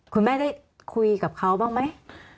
คุณแม่ได้คุยกับเขาบ้างไหม